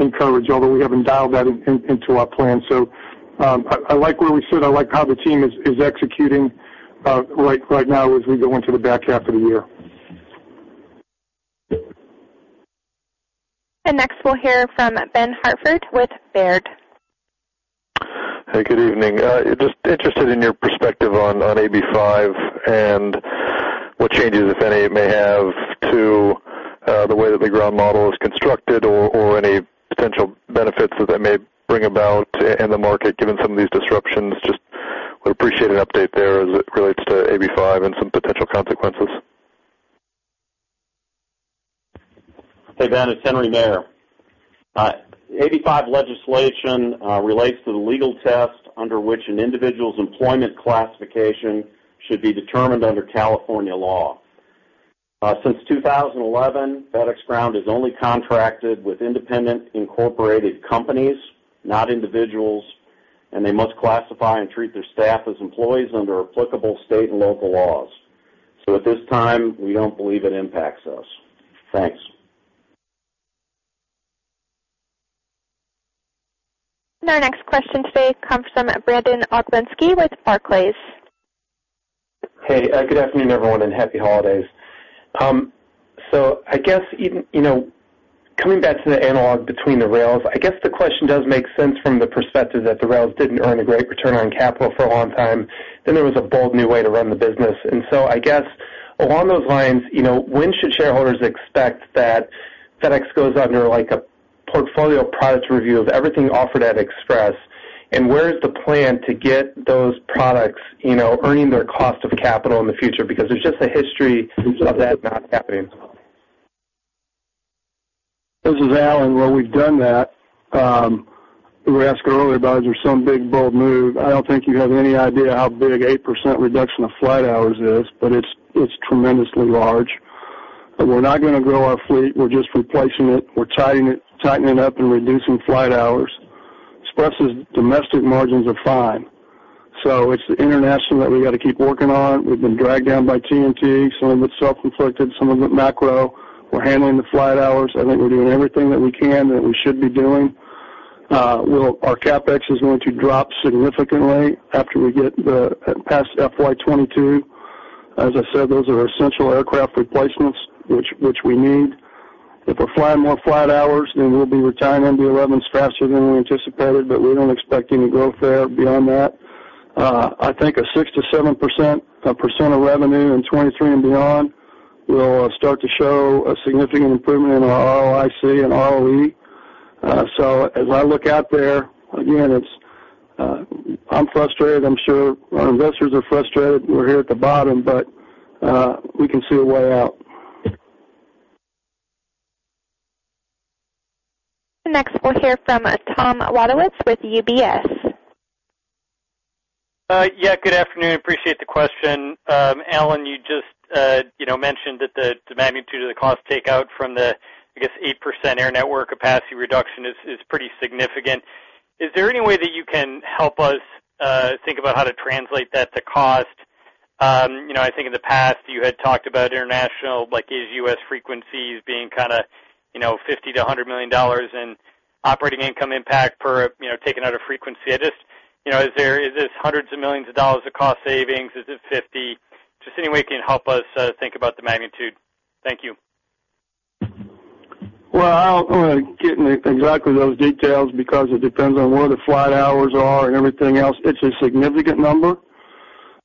encouraged, although we haven't dialed that into our plan. I like where we sit. I like how the team is executing right now as we go into the back half of the year. Next, we'll hear from Ben Hartford with Baird. Hey, good evening. Just interested in your perspective on AB5 and what changes, if any, it may have to the way that the ground model is constructed or any potential benefits that that may bring about in the market, given some of these disruptions. Just would appreciate an update there as it relates to AB5 and some potential consequences. Hey, Ben, it's Henry Maier. AB5 legislation relates to the legal test under which an individual's employment classification should be determined under California law. Since 2011, FedEx Ground has only contracted with independent incorporated companies, not individuals, and they must classify and treat their staff as employees under applicable state and local laws. At this time, we don't believe it impacts us. Thanks. Our next question today comes from Brandon Oglenski with Barclays. Hey, good afternoon, everyone, and happy holidays. Even coming back to the analog between the rails, I guess the question does make sense from the perspective that the rails didn't earn a great return on capital for a long time. Then there was a bold new way to run the business. Along those lines, when should shareholders expect that FedEx goes under a portfolio products review of everything offered at Express? Where is the plan to get those products earning their cost of capital in the future? Because there's just a history of that not happening. This is Alan. Well, we've done that. We were asked earlier about, is there some big, bold move? I don't think you have any idea how big 8% reduction of flight hours is, it's tremendously large. We're not going to grow our fleet. We're just replacing it. We're tightening it up and reducing flight hours. Express's domestic margins are fine. It's the international that we got to keep working on. We've been dragged down by TNT. Some of it's self-inflicted, some of it macro. We're handling the flight hours. I think we're doing everything that we can that we should be doing. Our CapEx is going to drop significantly after we get past FY 2022. As I said, those are our essential aircraft replacements, which we need. If we fly more flight hours, then we'll be retiring MD-11s faster than we anticipated, but we don't expect any growth there beyond that. I think a 6%-7% of revenue in 2023 and beyond will start to show a significant improvement in our ROIC and ROE. As I look out there, again, I'm frustrated. I'm sure our investors are frustrated. We're here at the bottom, but we can see a way out. Next, we'll hear from Tom Wadewitz with UBS. Good afternoon. Appreciate the question. Alan, you just mentioned that the magnitude of the cost takeout from the, I guess, 8% air network capacity reduction is pretty significant. Is there any way that you can help us think about how to translate that to cost? I think in the past, you had talked about international, like is U.S. frequencies being $50 million-$100 million in operating income impact per taking out a frequency. Is this hundreds of millions of dollars of cost savings? Is it $50? Just any way you can help us think about the magnitude. Thank you. Well, I won't get into exactly those details because it depends on where the flight hours are and everything else. It's a significant number.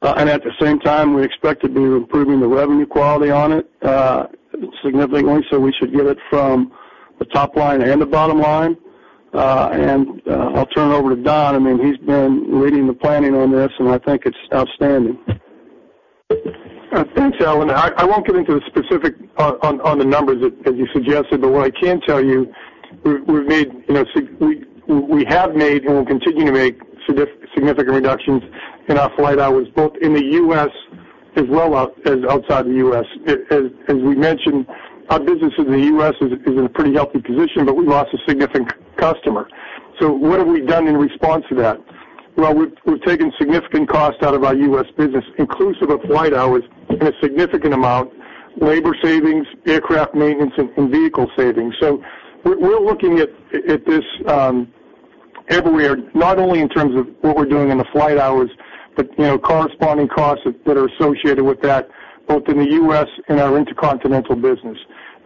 At the same time, we expect to be improving the revenue quality on it significantly. We should get it from the top line and the bottom line. I'll turn it over to Don. I mean, he's been leading the planning on this, and I think it's outstanding. Thanks, Alan. I won't get into the specific on the numbers as you suggested, but what I can tell you, we have made and will continue to make significant reductions in our flight hours, both in the U.S. as well as outside the U.S. As we mentioned, our business in the U.S. is in a pretty healthy position, but we lost a significant customer. What have we done in response to that? Well, we've taken significant cost out of our U.S. business, inclusive of flight hours and a significant amount, labor savings, aircraft maintenance, and vehicle savings. We're looking at this everywhere, not only in terms of what we're doing in the flight hours, but corresponding costs that are associated with that, both in the U.S. and our intercontinental business.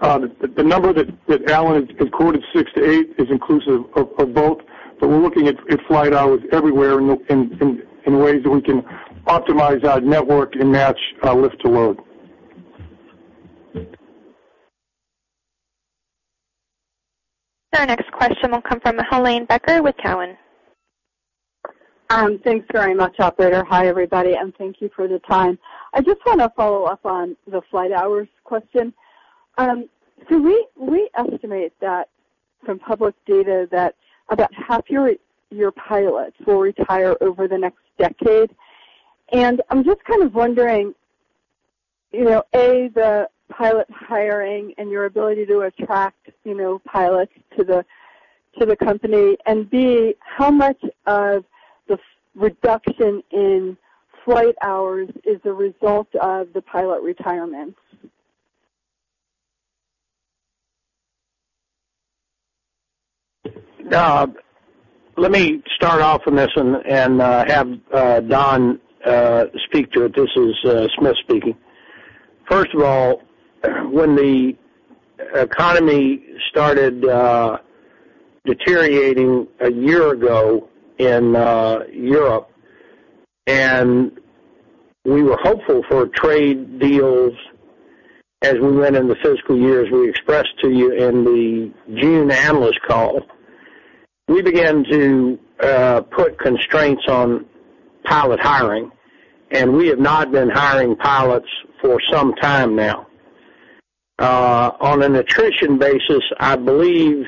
The number that Alan had quoted, 6 to 8, is inclusive of both, but we're looking at flight hours everywhere in ways that we can optimize our network and match our lift to load. Our next question will come from Helane Becker with Cowen. Thanks very much, operator. Hi, everybody, and thank you for the time. I just want to follow up on the flight hours question. We estimate that from public data that about half your pilots will retire over the next decade. I'm just kind of wondering, A, the pilot hiring and your ability to attract pilots to the company, and B, how much of the reduction in flight hours is a result of the pilot retirement? Let me start off on this and have Don speak to it. This is Smith speaking. First of all, when the economy started deteriorating a year ago in Europe, and we were hopeful for trade deals as we went into fiscal years, we expressed to you in the June analyst call, we began to put constraints on pilot hiring, and we have not been hiring pilots for some time now. On an attrition basis, I believe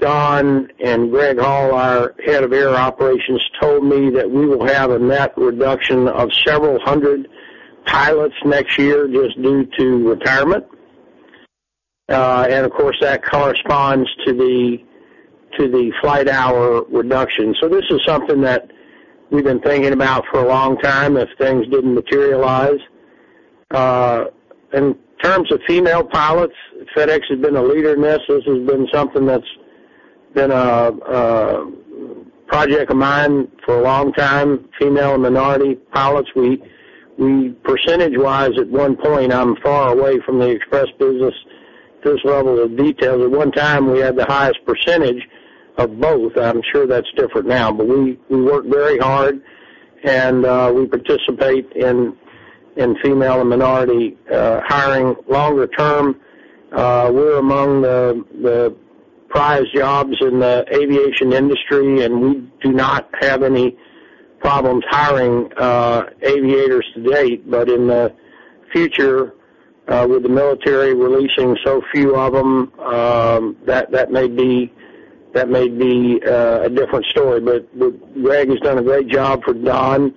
Don and Greg Hall, our head of air operations, told me that we will have a net reduction of several hundred pilots next year just due to retirement. Of course, that corresponds to the flight hour reduction. This is something that we've been thinking about for a long time if things didn't materialize. In terms of female pilots, FedEx has been a leader in this. This has been something that's Been a project of mine for a long time, female and minority pilots. We, percentage-wise, at one point, I'm far away from the FedEx Express business to this level of detail. At one time, we had the highest percentage of both. I'm sure that's different now. We work very hard, and we participate in female and minority hiring. Longer term, we're among the prized jobs in the aviation industry, and we do not have any problems hiring aviators to date. In the future, with the military releasing so few of them, that may be a different story. Greg has done a great job for Don,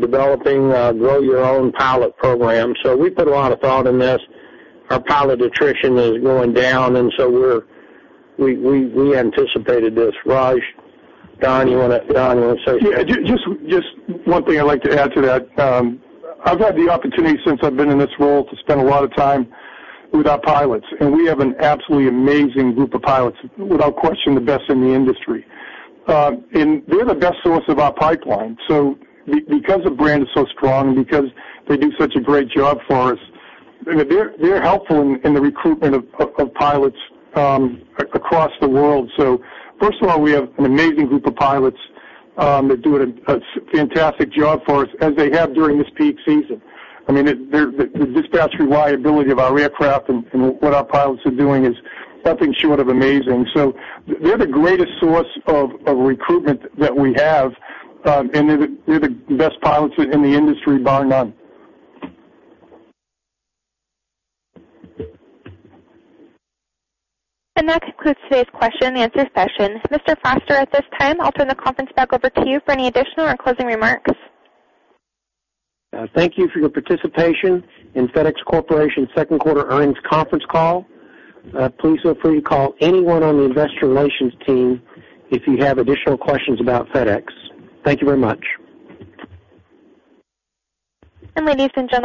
developing grow your own pilot program. We put a lot of thought in this. Our pilot attrition is going down, and so we anticipated this. Raj, Don, you want to say anything? Yeah, just one thing I'd like to add to that. I've had the opportunity since I've been in this role to spend a lot of time with our pilots, and we have an absolutely amazing group of pilots, without question, the best in the industry. They're the best source of our pipeline. Because the brand is so strong and because they do such a great job for us, they're helpful in the recruitment of pilots across the world. First of all, we have an amazing group of pilots that do a fantastic job for us as they have during this peak season. I mean, the dispatch reliability of our aircraft and what our pilots are doing is nothing short of amazing. They're the greatest source of recruitment that we have, and they're the best pilots in the industry, bar none. That concludes today's question and answer session. Mr. Foster, at this time, I'll turn the conference back over to you for any additional or closing remarks. Thank you for your participation in FedEx Corporation's second quarter earnings conference call. Please feel free to call anyone on the investor relations team if you have additional questions about FedEx. Thank you very much. Ladies and gentlemen.